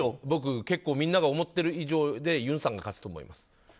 僕結構みんなが思っている以上でユンさんが勝つと思っています。